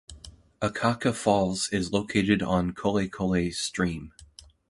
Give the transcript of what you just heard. Akaka Falls is located on Kolekole Stream.